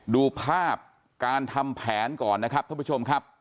ดูภาพการทำแผนก่อนนะครับท่านผู้ชมครับ